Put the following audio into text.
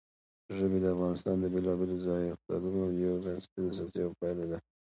ژبې د افغانستان د بېلابېلو ځایي اقتصادونو یو بنسټیزه اساس او پایایه ده.